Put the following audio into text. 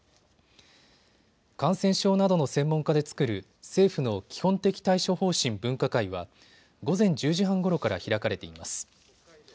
感染症などの専門家で作る政府の基本的対処方針分科会は午前１０時半ごろから開かれています。